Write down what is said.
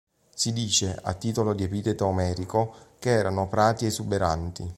Si dice, a titolo di epiteto omerico, che erano "prati esuberanti".